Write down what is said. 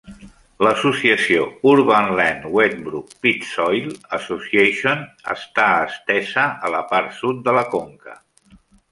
L'associació Urban Land-Wetbrook-Pitts Soil Association està estesa a la part sud de la conca.